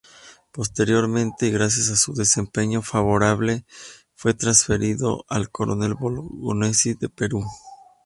Posteriormente, y gracias a su desempeño favorable, fue transferido al Coronel Bolognesi de Perú.